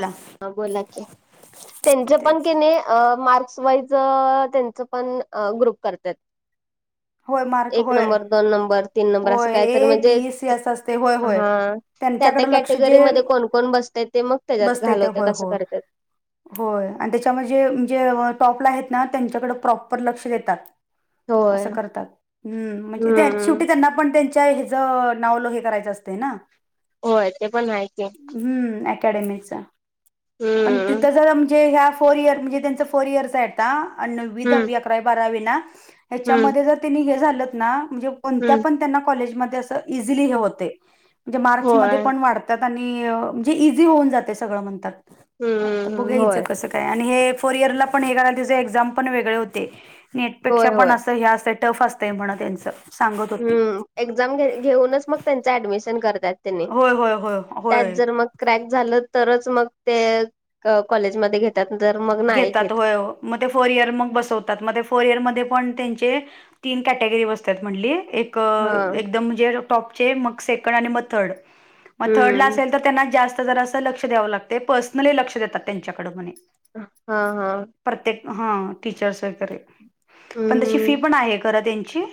बोला ह बोला की त्यांच पण तेच के नाही मार्क्स वाईज त्यांचं पण ग्रुप करतात होय मार्क एक होय नंबर दोन नंबर तीन नंबर असं होय कायतरी ए म्हणजे बी सी असं असते होय होय हा त्या त्यांच्याकडे लक्ष जे कॅटेगरीमध्ये कोण कोण बसतय ते मग त्याच्यात बसते ते घालवतात होय असं हो करतात. होय आणि त्याच्यामध्येे म्हजे टॉपला आहेत ना त्यांच्याकडे प्रॉपर लक्ष देतात होय असं करतात् म्हणजे हम्म शेवटी त्यांना पण त्यांच्या हच नावलो हे करायचं असतें ना होय ते पण आहे की हम्म अकॅडेमीचा पण हम्म तिथं जर म्हणजे ह्या फोर इयर म्हणजे त्यांच फोर इयर आहेतवी हम्म दहा अकरा बारावी ना हम्म या्याच्यामध्ये जर त्यांनी हे झालं ना म्हणजे कोणत्या हम्म पण त्यांना कॉलेजमध्ये अस इझिली हे होते म्हणजे मार्क्समध्ये होय पण वाढत म्हणजे इी होऊन जाते स म्हणतात बघ हम्म होय क आणि हे फोर इरला पण ए एक्म पणेगळे होते होय नेटपेक्षा पण होय. असं हे असतं टफ असतंय म्हण त्यांच सांगत होती हम्म एक्झाम घ घेऊनच मग त्यांच ऍडमिशन करतात त्यांनी होय होय होय त्यात होय जर मग क्रॅक झालं तरच मग ते कॉलेजमध्येध्ये घेत त्यांतर मग नाही घेतात घेत होय मग ते फोर इयर मग बसवतात मग ते फोर इयर मध्ये पण त्यांचे तीन कॅटेगरी बसतात म्हणली एक हा एकदम म्हणजे टॉपचे मग सेकंड आणि मग थर्ड मग थर्ड ला हम्म असेल तर त्यांना जास्त जर असं लक्ष द्यावं लागते पर्सनली लक्ष देतात त्यांच्याकड म्हणे हा हा प्रत्येक हा टीचर्स वगैरे पण तशी हम्म फी पण आहे खरा त्यांची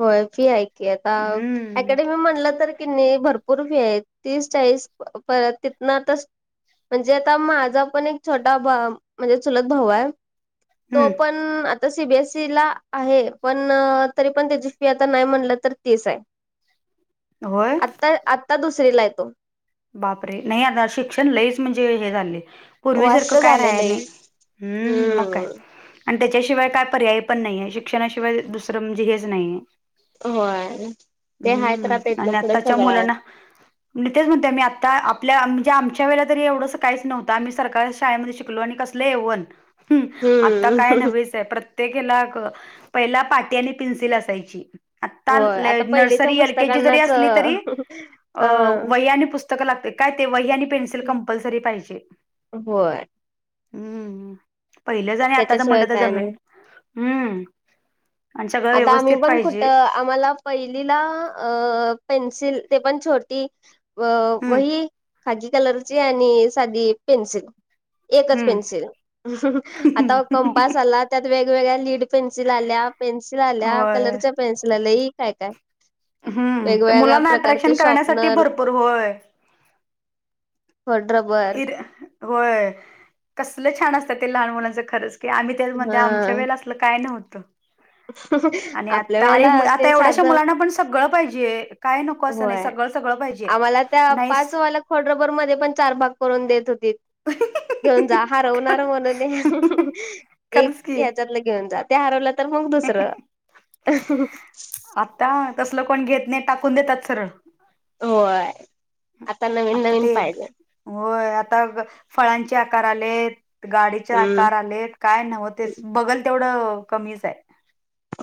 होय फी हाय कि आता अ हम्म ही [unintelligible] म्हटलं तर कनी भरपूर फी आहे तीस चाळीस परत तिथन तर म्हणजे आता माझा पण एक छोटा भा- म्हणजे चुलत भाऊ आहे तो हम्म पण आता सीबीएसई ला आहे पण तरी पण त्याची फी आता नाही म्हणल तर तीस आहे होय आता आ आता दुसरीला येतो बापरे नाही आता शिक्षण लईच म्हणजे हे झालय वास्त पूर्वीसारखं काय राहाय झालेलं नाही आहे हम्म मग काय आणि त्याच्याशिवाय काय पर्याय पण नाहीय शिक्षणाशिवाय दुसरं म्हणजे हेच नाहीय होय ते हाय तर आता हम्म इथन आणि पुढे आताच्या सगळं आहे. मुलांना आणि त्याच च आता- आपल्या म्हणजे आमच्या वेळेला तरी एवढं काहीच नव्हतं आम्ही सरकारी शाळेमध्ये शिकलो आणि कसलं एवन [inaudible] हम्म आता काय हम्म नव्हेच आहे प्रत्य त्येक हेला पहिला पाटी आणि पेन्सिल असायची आता होय आता पहिलेच्या नर्सरी एल के जी जरी पुस्तकांनाच असली तरी अ वही आणि पुस्त स्तक लागतय काय ते वही आणि पेन्सल कंपल्सरी पाहिजे होय हम्म पहिलेच आणी आताच त्याच्याशिवाय म्हणल तर काय जमीन नाही. हम्म आणि सगळं आता आम्ही व्यवस्थित पण कुठं पाहिजे. आम्हाला पहिलीला अ पेन्सिल ते पण छोटी हम्म वही खाकी कलरची आणि साधी पेन्सिल एकच हम्म पेन्सिल [inaudible] आता कंपास आला त्यात वेगवेगळ्या लीड पेन्सिल आल्या पेन्सिल आल्या, होय कलरच्या पेन्सिल आल्या लय काय- काय हम्म वेगवेगळ्या मुलांना प्रकारचे अट्रॅक्शन करण्यासाठी शॉपनर भरपूर होय खोडरबर इर होय कसलं छान असतात ते लहान मुलांच खरंच की आम्ही त्यामध्ये हा आमच्या वेळेला अस आपलं काय नव्हतं [inaudible] आणि आपल्या आता आणि वेळेला मु- आता ते एवढ्याशा साधं मुलांना पण सगळं पाहिजे काय नको असं नाही होय सगळं सगळं पाहिजे आम्हाला त्या नाहीस पाचवाल्या खोडरबर मध्ये पण चार भाग करून देत होतीत घेऊन जा हरवणार म्हणून [inaudible] एक खरंच की ह्याच्यातलं घेऊन जात ते हरवलं तर मग दुसरं [inaudible] आत्ता तसल कोण घेत नाही टाकून देतात सरळ होय नवीन आता नवीन ते पाहिजे होय आता फळांचे आकार आले गाडीचे हम्म आकार आलेत काय नव्ह तेच बघल तेवढं कमीच आहे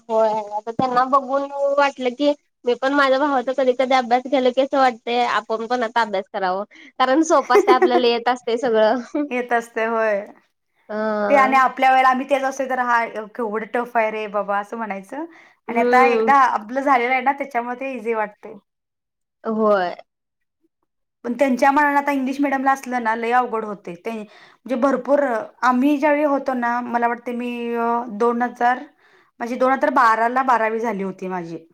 होय तर त्यांना बघून वाटलं की मी पण माझ्या भावाचा कधी -कधी अभ्यास घ्यालोकी असं वाटतय आपण पण आता अभ्यास कराव कारण सोप्प असतयच आपल्याला येत असतय सगळं येेत असतय होय हं.. ते आणि आपल्या वेळेला आम्ही तेच असतो तर हा केवढं टफ आहे रे बाबा असं म्हणायचं आणि आता हम्म एकदा असलं झालेला आहे ना त्याच्यामुळे ते इझी वाटतय होय पण त्यांच्या मानान आता इंग्लिश मिडियमला असलं ना लय अवघड होतय‌ ते म्हणजे भरपूर आम्ही ज्यावेळी होतो ना मला वाटते मी दोन हजार म्हणजे दोन हजार बाराला बारावी झाली होती माझी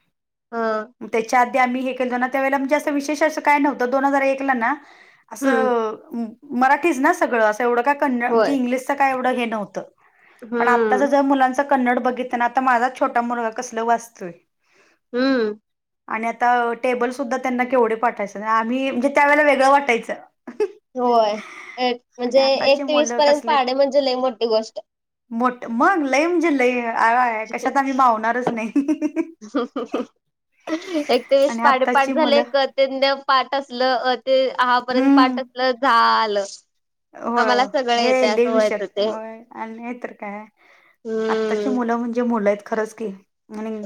हा त्याच्या आधी आम्ही हे केलतो ना त्या वळेला म्हणजे असं विशेष असं काय नव्हतं दोन हजार एकला ना हम्म असं मराठीच ना सगळं असं एवढं काय कंन- म्हणजे होय इंग्लिशच काय एवढं हे नव्हतं पण आताच हम्म जर मुलांच कन्नड बघित ना आता माझा छोटा मुलगा कसल वाचतोय हम्म आणि आता टेबल सुद्धा त्यांना केवढे पाठायचं आम्ही म्हणजे त्यावेेळेला वेगळं वाटायचं होय म्हणजे आणि एक आताचे ते वीस मुलं पर्यंत कसले पहाडे म्हणजे ल मोठी गोष्ट मोठ मग लय म्हणजे लय आ आहे कशात आम्ही मावणारच नाही एक दिस आणि पाठ पाठ आत्ताची झाले मुलं तेंव्हा पाठ असलं ते सहापर्यंत हम्म पाठ असलं झालं हो आम्हाला सगळं येतंय हे असं विषय व्हायचं ते आणि हे तर काय आताची हम्म. मुली म्हणजे बलात खरंच क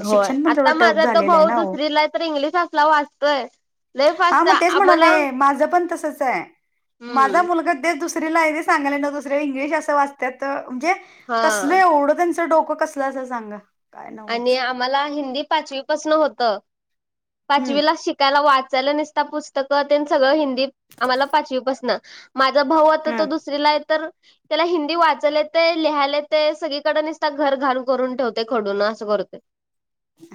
होय आता माझा तो भाऊ हो दुसरीला तर इंग्लिश असला वाचतोय लई हा फास्ट मग तेच आम्हाला म्हणाले माझं पण तसच आहे हम्म माझा मुलगा तेच दुसऱ्या [unintelligible] दुसऱ्या इंग्लिश असला वाचत्यात म्हणजे हा कसलं एवढा तेचं डोक सांगा काय आणि नव्हच आम्हांला हिंदी पाचवीपासन होतं हम्म पाचवी ला शिक त्याला वाचायला निस्त पुस्तकं तेन सगळं हिंदीत आम्हांला पाचवीपासन माझा भाऊ आता हा तो दुसरीला हाय तर त्याला हिंदी वाचायला येतंय लिहायला येतंय सगळीकडे नसतं घर घाण करून ठेवतय खडून करत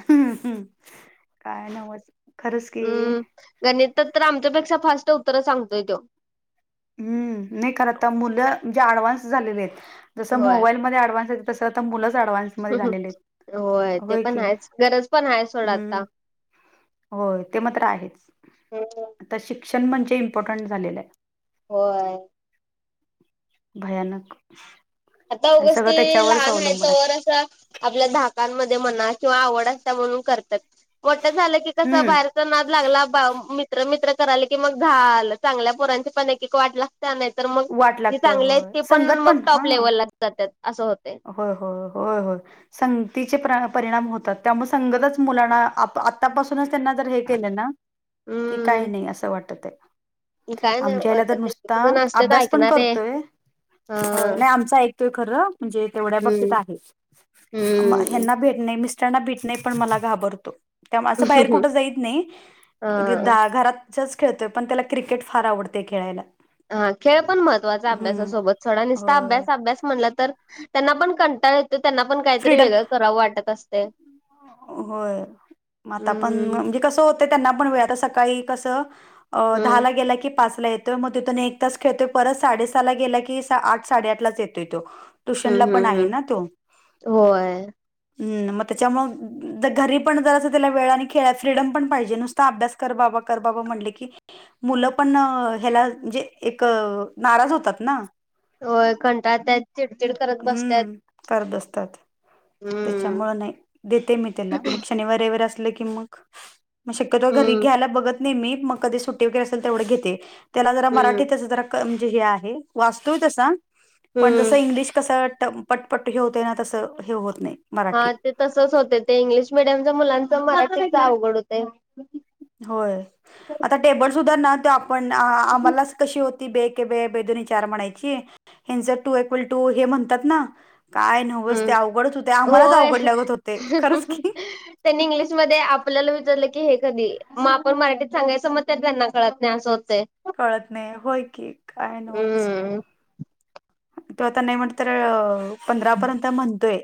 हम्म हम्म काय न्हवच हम्म गणितात तर आमच्यापेक्षा फास्ट उत्तरं सांगतोय तो हम्म नाही खरं आता मुलं जे ऍडव्हान्स झालेले आहेत जसं होय. मोबाईलमध्ये अँडव्हान्स तस आता मुलंच अँडव्हान्स होय ते पण आहेच गरज पण आहे सोडा आता हम्म होय ते मात्र आहेच आता शिक्षण म्हणजे इम्पॉर्टंट झालेलं आहे होय भयानक आता आणि उगच सगळं ते त्याच्यावरच लहान आहे अवलंबून तवर असं आपल्या धाकांमध्ये म्हणा किंवा आवड असत्या म्हणून करतात मोठ झालं की कसं हम्म बाहेर नाद लागला बा मित्र मित्र करायले की मग झालं चांगल्या पोरांचे पण एक एक वाट त्या नाही तर मग वाट जी लागते चांगले आहेत होय ते पण संगत मग हा टॉप लेव्हलला जातात असं होतंय होय हो होय हो संगतीचे परिणाम होतात त्यामुळे संगतच मुलांना आत्तापासूनच त्यांना जर हे केलं ना की काय हम्म नाही असं वाटत आहे काय नाही आमच्या ह्याला तर वाटत एक नुसता एक जण असत्यात अभ्यास पण ऐकणारे. करतोय हा हो नाही आमचा ऐकतोय खरं म्हणजे तेवढ्या बबतीत हम्म आहे हम्म ह भेत नाही मिस्टरांना भित नाही पण मला घाबरतो त्यामुळे असं बाहेर कुठं जाईत नाही हा. घरात चेस खेळतोय पण त्याला क्रिकेट फार आवडतय खेळायला हा खेळ पण महत्त्वाचा हम्म अभ्यासासोबत सोडा नुसतं होय अभ्यास अभ्यास म्हटलं तर त्यांना पण कंटाळ येतो त्यांना पण काहीतरी फ्रीडम वेगळं करावं वाटत असतय होय म आता पण म्हणजे कसं होत त्यांना पण वेळ आता सकाळी हम्म दहा गेलं की पाचला ये मग तिथून एक तास खेळतोय परत साडे सहाला गेला की आठ साडेआठ लाच येतोय तो ट्युशन ला हम्म पण हम्म आहे हम्म ना तो होय हम्म मग त्यांच्यामुळे घरी पण जरास त्याला वेळ आणि खेळा फ्रीडम पण पाहिजे नुसत अभ्यास कर बाबा कर बा म्हटले की मुलं पण ह्याला म्हणजे एक नाराज होतात ना होय कंटाळत्यात चिड चिड करत बसत्यात हम्म कर [inaudible] हम्म त्याच्यामुळं नाही देते मी त्याला मग शनिवार असलं की मग मग शक्यतो घरी हम्म घ्यायला बघत नाहीे मी मग कधी सुट्टी वगैरे तेवढं घेते त्याला जरा हम्म मराठीत त्याच जरा क म्हंजे हे आहे वाचतोय तसा, पण जसं हम्म इंग्लिश कसं ट पटपट हे होतय ना तसं हे होत नाही. हा मराठी ते तसंच होतय, ते इंग्लिश मिडियमच्या मुलांच मराठीच अवघड होतय. होय आता टेबल सुद्धा ना, ते आपण आम्हालांच कशी होत म्ह. ती बे एके बे बे दोन्ही चार म्हणायची, हेंच टू इक्वेल टू हे म्हणतात ना. काय नव्हच ते हम्म अवघडच होतय, आम्हालाच होय. अवघडल्यागत होतय खरंच की त्यांनी इंग्लिशमध्ये आपल्याला विचारलं की, तुम्ही हे कधी मग आपण मराठीत सांगायचं, मग ते त्या त्यांना कळत नाही असं होतंय. कळत नाही होय की काय न्हवचं? हम्म तो आता नाही म्हटल तर अ पंधरा पर्यंत म्हणतोय,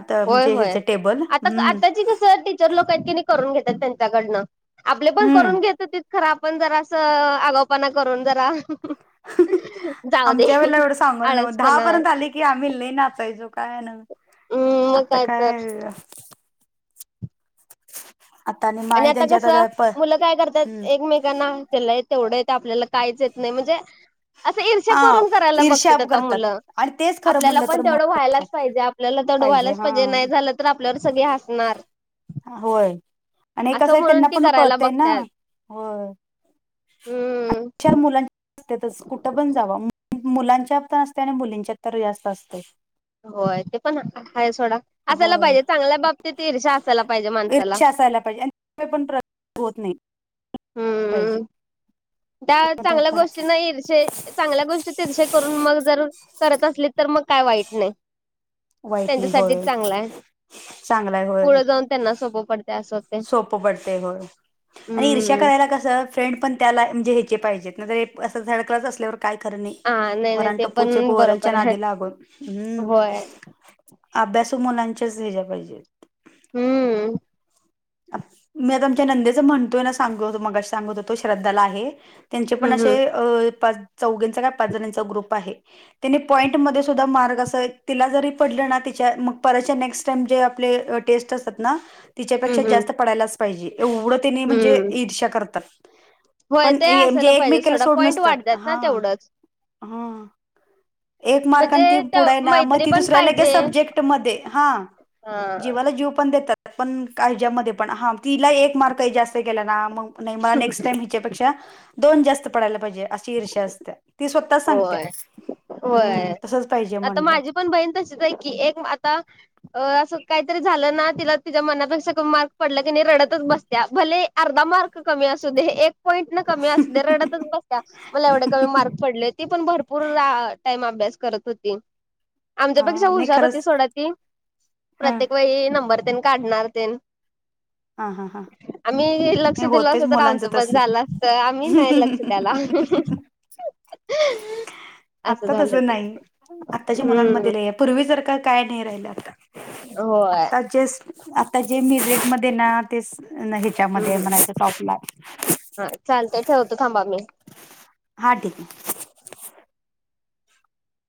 आता होय म्हणजे हेच होय टेबल आता ह्म. आताची कसं टीचर लोक आहेत कनी करून घेतात, त्यांच्याकडन आपले पण हम्म करून घेत होतीत. खरं आपण जरा असं आ आगावपणा करून जरा जाऊ दे आमच्या वेळेला एवढं सांगालोय नव्ह, अमच्यावेलेला सांगालोय नव्ह दहा आळसपणा पर्यंत आली. कि आम्ही लई नाचायचो? काय नाव हम्म मग आता तर काय? आता आणि माई आता त्यांच्या कसं प- मुलं काय करतात हम्म एकमेकांना केलंय? तेवढं येतय आपल्याला काहीच येत नाही. म्हणजे असं ईरशा हा करून करायला ईर्ष्या बघतेत, आता करतात मुलं आणि तेच खरं आपल्याला म्हणलं पण तर तेवढं महत्वाचं आहे व्हायलाच पाहिजे. आपल्याला तेवढं व्हायलाच पाहिजे नाही झालं, तर आपल्यावर सगळी हसणार होय. आणि एक असं कसं आहे म्हणून त्यांना ती पण करायला कळतंय ना, बघत्यात व्हय हम्म चार मुलांची ते तसच कुठं पण जावा, मुलांच्या तर असतय आणि मुलींच्यात तर जास्त असतय. होय ते पण हाये सोडा असायला होय पाहिजे, चांगल्या बाबतीत ईर्षा असायला पाहिजे माणसाला आसायला पाहिजे तरीपण [unintelligible] होत नाही. डाळ ते मात्र चांगल्या खरं गोष्टीना इर्षेच चांगल्या गोष्टीत ईर्षा करून मग जर करत असली तर मग काय वाईट नायी? आहे वाईट नाही त्यांच्यासाठीच होय चांगल हाय चांगलाय होय पुढं जाऊन त्यांना सोपं पडतय अस होतय. सोपं पडतय होय आणि ईर्ष्या हम्म करायला कसं? फ्रेंड पण त्याला म्हणजे हेचे पाहिजेत नाहीतर, असं थर्ड क्लास असल्यावर काय खरं नाही. हा नाही नाही ते वराणटपूचे पण पोरांच्या बरोबर आहे नादी लागून हम्म. होय अभ्यासू मुलांच्याच हेज्या पाहिजेत. हम्म. मी आता आमच्या नंदेचं म्हणतोय, ना सांगत होतो मगाशी सांगत होतो, श्रद्धाला आहे. त्यांचे पण हम्म असे, हम्म अ पाच चौघिंचा काय पाच जणीचा ग्रुप आहे. तिनी पॉईंटमध्ये सुद्धा मार्ग अस तिला जरी पडलं ना, तिच्या मग परतच्या नेक्स्ट टाइम जे आपले टेस्ट असतात ना. तिच्यापेक्षा हम्म हम्म जास्त पडायलाच पाहिजे, एवढं तेनी म्हणजे हम्म ईर्षा करतात. होय पण ते ए म्हणजे असायला पाहिजे एकमेकीला सोडा सोडून पॉईंट नसतात वाढतात ना हा तेवढंच हा. एक म्हणजे मारकान ती ते पुढ हाय ना, मग मैत्री ती पण दुसऱ्या लगेच पाहिजे सब्जेक्टमध्ये हां. हा जीवाला जीव पण देतात. पण का् हेज्यामध्ये पण हा तिला एक मार्कही जास्त गेला, ना मग नाही मला नेक्स्ट टाइम हेच्यापेक्षा दोन जास्त पडायला पाहिजे अशी ईर्षा असतिया व्हय व्हय पाहिजे आता म्हणलं माझी पण बहीण तशीच हाय की, एक आता अ असं काहीतरी झालं ना, तिला तिच्या मनापेक्षा कमी मार्क पडला की नाही, रडतच बसत्या भले अर्धा मार्क कमी असू दे एक पॉईंट न कमी असू द्या रडतच बस्त्या मला एवढे कमी मार्क पडले. ती पण भरपूर रा टाईम अभ्यास करत होती. हा आमच्यापेक्षा नाही हुशार होती खरंच सोडा, ती हा प्रत्येक वेळी नंबर तेन काढणार तेन हा हा हां. आम्ही लक्ष दिलो असत तर, आमचं पण झालं असत आम्ही नाही लक्ष द्यायला. तसच हो आत्ता तसं ते नाही आताच्या हम्म मुलांमध्ये ल आहे पूर्वी जर का काय नाही राहिलं आता हो आता आता जे म्युझिक मध्ये ना ते ह्याच्यामध्ये हम्म म्हणायच टॉप हा चालतय ठेवतो थांबा मी ह्टेत